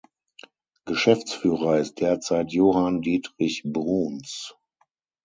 Geschäftsführer ist derzeit Johann Diedrich Bruns.